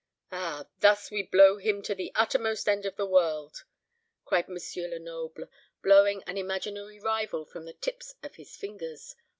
Ah, thus we blow him to the uttermost end of the world!" cried M. Lenoble, blowing an imaginary rival from the tips of his fingers.